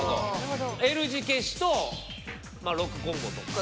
Ｌ字消しと６コンボとか。